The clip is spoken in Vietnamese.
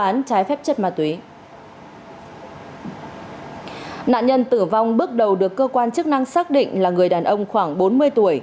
nạn nhân tử vong bước đầu được cơ quan chức năng xác định là người đàn ông khoảng bốn mươi tuổi